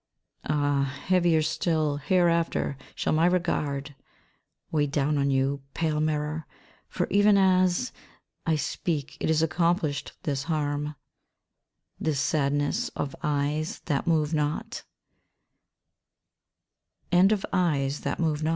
Ah, heavier still, hereafter, shall my regard weigh down on you, pale mirror ; for even as I speak it is accomplished, this harm, this sadness of eyes that move